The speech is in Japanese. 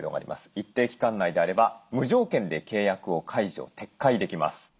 一定の期間内であれば無条件で契約を解除撤回できます。